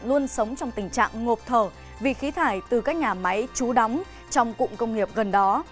luôn sống trong tình trạng ngộp thở vì khí thải từ các nhà máy trú đóng trong cụm công nghiệp gần đó